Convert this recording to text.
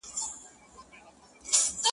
ته له قلف دروازې، یو خروار بار باسه,